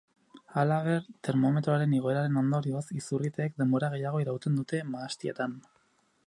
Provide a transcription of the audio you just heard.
Halaber, termometroaren igoeraren ondorioz, izurriteek denbora gehiago irauten dute mahastietan.